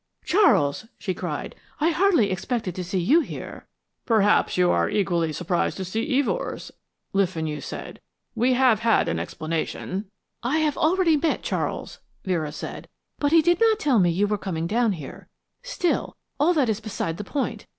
"Charles," she cried. "I hardly expected to see you here." "Perhaps you are equally surprised to see Evors," Le Fenu said. "We have had an explanation " "I have already met Charles," Vera said. "But he did not tell me you were coming down here. Still, all that is beside the point.